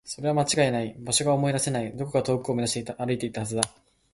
それは間違いない。場所が思い出せない。どこか遠くを目指して歩いていったはずだ。